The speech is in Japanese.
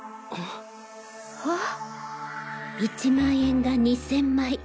１万円が２０００枚。